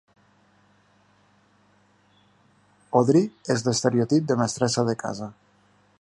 Audrey és l'estereotip de mestressa de casa.